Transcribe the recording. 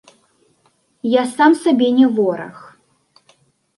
Я сам сабе не вораг.